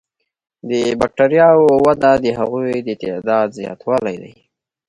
د بکټریاوو وده د هغوی د تعداد زیاتوالی دی.